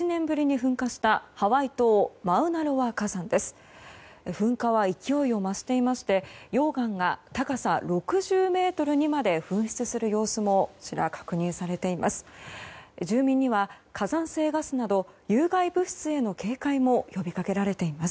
噴火は勢いを増していまして溶岩が、高さ６０ｍにまで噴出する様子も確認されています。